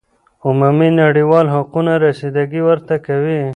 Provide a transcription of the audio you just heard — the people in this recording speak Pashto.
عمومی نړیوال حقوق رسیده ګی ورته کوی